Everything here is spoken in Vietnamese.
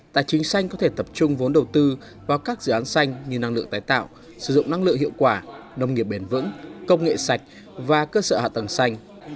tài chính xanh có thể tập trung vốn đầu tư vào các dự án xanh như năng lượng tái tạo sử dụng năng lượng hiệu quả nông nghiệp bền vững công nghệ sạch và cơ sở hạ tầng xanh